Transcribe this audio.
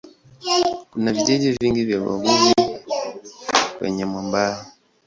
Kuna vijiji vingi vya wavuvi kwenye mwambao.